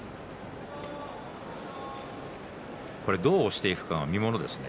どう押していくかが見ものですね